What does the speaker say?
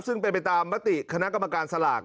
ซึ่งเป็นไปตามมติคณะกรรมการสลาก